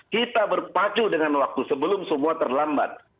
kita berpacu dengan waktu sebelum semua terlambat